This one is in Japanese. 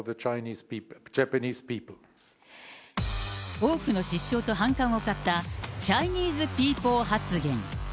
多くの失笑と反感を買った、チャイニーズピーポー発言。